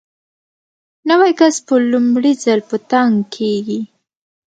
نوی کس په لومړي ځل په تنګ کېږي.